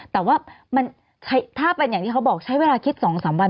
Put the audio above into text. แต่ว่าถ้าเป็นอย่างที่เขาบอกใช้เวลาคิด๒๓วัน